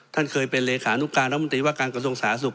ท่านเคยเป็นเลขานุการรัฐมนตรีว่าการกระทรวงสาธารสุข